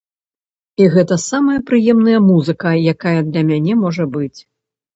І гэта самая прыемная музыка, якая для мяне можа быць.